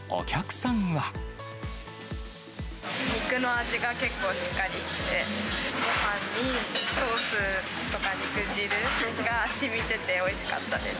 肉の味が結構しっかりして、ごはんにソースとか肉汁がしみてておいしかったです。